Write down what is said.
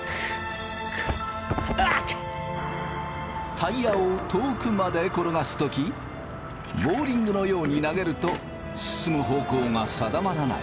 タイヤを遠くまで転がす時ボウリングのように投げると進む方向が定まらない。